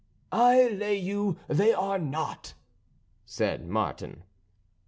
"I lay you they are not," said Martin.